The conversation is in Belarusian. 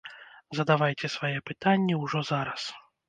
Задавайце свае пытанні ўжо зараз!